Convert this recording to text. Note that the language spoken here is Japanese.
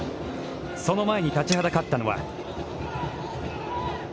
その前に立ちはだかったのは。